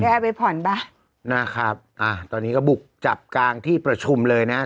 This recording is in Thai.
เอาไปผ่อนป่ะนะครับอ่าตอนนี้ก็บุกจับกลางที่ประชุมเลยนะฮะ